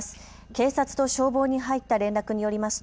警察と消防に入った連絡によります